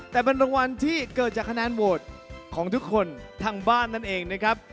แต่เป็นรางวัลที่เกิดจากคะแนนโหวตของทุกคนทางบ้านนั่นเองนะครับ